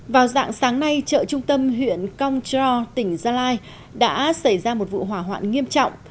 vào dạng sáng nay chợ trung tâm huyện cong cho tỉnh gia lai đã xảy ra một vụ hỏa hoạn nghiêm trọng